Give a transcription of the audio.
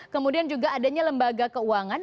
kemudian juga adanya lembaga keuangan